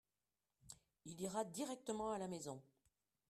Il ira directement à la maison.